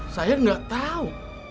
saya gak tau